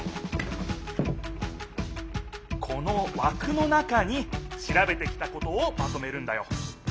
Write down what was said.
このわくの中にしらべてきたことをまとめるんだよ。